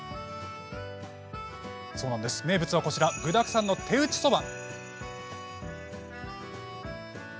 名物はこちら具だくさんの手打ちそば。